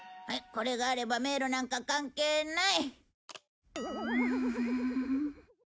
これがあれば迷路なんか関係ない。